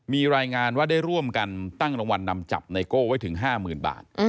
มีรายงานว่าได้ร่วมกันตั้งรางวัลนำจับไนโก้ไว้ถึง๕๐๐๐บาท